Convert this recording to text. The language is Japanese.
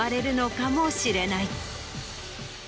かもしれない。